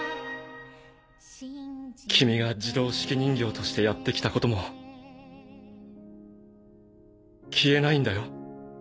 君が自動手記人形としてやって来たことも消えないんだよ。